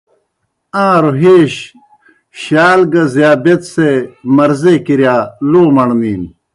آن٘روْ ہَیش، شال گہ ذیابیطسے مرضے کِرِیا گہ لو مڑنِینوْ۔